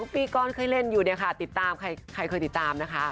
ปีก่อนเคยเล่นอยู่เนี่ยค่ะติดตามใครเคยติดตามนะคะ